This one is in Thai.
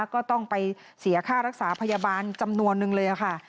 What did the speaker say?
ก็ต้องไปเสียค่ารักษาพยาบาลจำนวนนึงเลยค่ะ